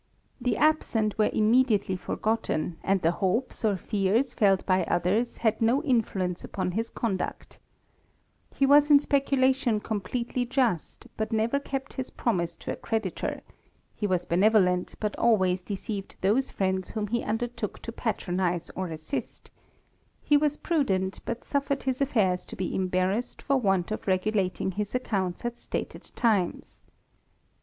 The absent were immediate! ^ forgotten, and the hopes or fears felt by others had rm^^ influence upon his conduct He was in speculatic^^ completely just, but never kept his promise to a creditor he was benevolent, but always deceived those friends who»==^ he undertook to patronize or assist; he was prudent, biu^ suffered his affairs to be embarrassed for want of regulating his accounts at stated times.